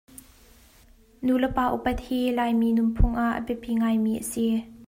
Nulepa upat hi Laimi nunphung ah a biapi ngaimi a si.